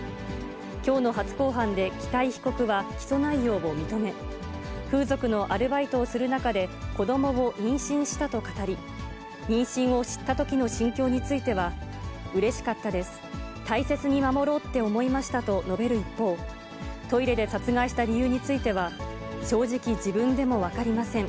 きょうの初公判で北井被告は起訴内容を認め、風俗のアルバイトをする中で子どもを妊娠したと語り、妊娠を知ったときの心境については、うれしかったです、大切に守ろうって思いましたと述べる一方、トイレで殺害した理由については、正直、自分でも分かりません。